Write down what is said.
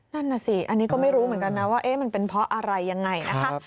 นั่นน่ะสิอันนี้ก็ไม่รู้เหมือนกันนะว่ามันเป็นเพราะอะไรยังไงนะคะ